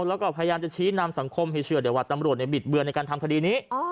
แล้วก็พยายามจะชี้นำสังคมให้เชื่อได้ว่าตำรวจในบิดเบือนในการทำคดีนี้